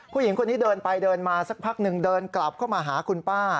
ผู้หญิงคนนี้เดินไปเดินมาสักพักหนึ่งเดินกลับเข้ามาหาคุณป้า